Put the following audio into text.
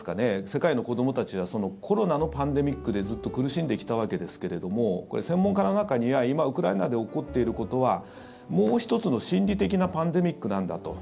世界の子どもたちはコロナのパンデミックでずっと苦しんできたわけですけれどもこれ、専門家の中には今、ウクライナで起こっていることはもう１つの心理的なパンデミックなんだと。